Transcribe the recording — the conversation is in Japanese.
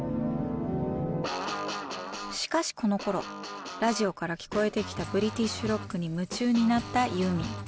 しかしこのころラジオから聞こえてきたブリティッシュ・ロックに夢中になったユーミン。